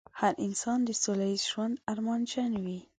هر انسان د سوله ييز ژوند ارمانجن وي.